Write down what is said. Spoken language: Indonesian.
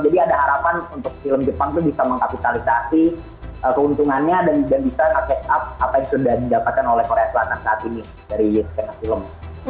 jadi ada harapan untuk film jepang itu bisa mengkapitalisasi keuntungannya dan bisa catch up apa yang sudah didapatkan oleh korea selatan saat ini dari kena film